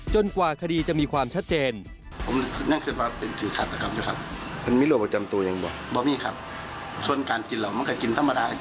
กว่าคดีจะมีความชัดเจน